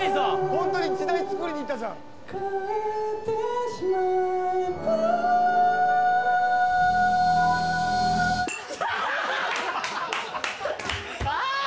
ホントに時代作りにいったじゃん。あーっ！